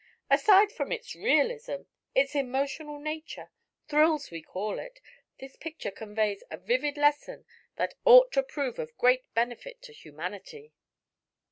Aside from its realism, its emotional nature 'thrills,' we call it this picture conveys a vivid lesson that ought to prove of great benefit to humanity."